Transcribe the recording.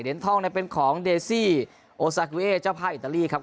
เดนทองนั้นเป็นของเดซี่โอซากรีเอเจ้าพลาดอิตาลีครับ